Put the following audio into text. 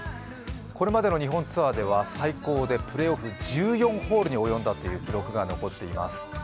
これまでの日本ツアーでは最高でプレーオフ１４ホールに及んだという記録が残っています。